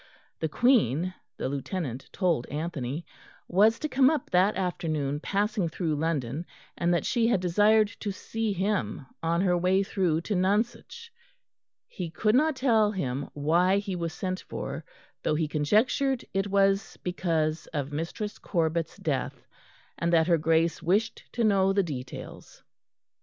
The Queen, the Lieutenant told Anthony, was to come up that afternoon passing through London, and that she had desired to see him on her way through to Nonsuch; he could not tell him why he was sent for, though he conjectured it was because of Mistress Corbet's death, and that her Grace wished to know the details.